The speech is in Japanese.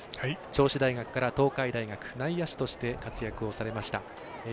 銚子大学から東海大学内野手として活躍をされました。